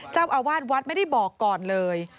เจ้าอาวาสวัดไม่ได้บอกก่อนเลย